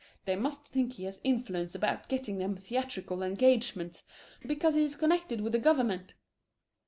They must think he has influence about getting them theatrical engagements, because he is connected with the government.